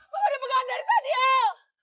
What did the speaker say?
mama dipegang dari tadi al